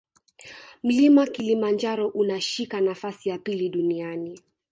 mlima kilimanjaro unashika nafasi ya pili duniani